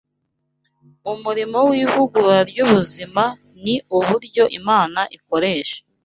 Umurimo w’ivugurura ry’ubuzima ni uburyo Imana ikoresha